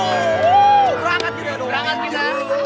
berangkat kita berangkat kita